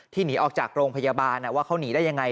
หนีออกจากโรงพยาบาลว่าเขาหนีได้ยังไง